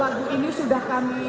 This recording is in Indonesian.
lagu ini sudah kami